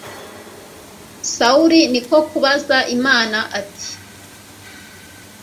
sawuli ni ko kubaza imana, ati